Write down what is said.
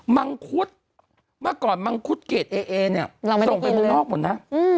มังคุทมาก่อนมังคุตเกจเอะเอะเนี่ยส่งไปฝูกนอกหมดนะ